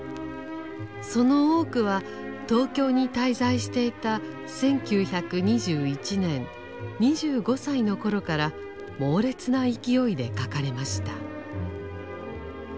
その多くは東京に滞在していた１９２１年２５歳の頃から猛烈な勢いで書かれました。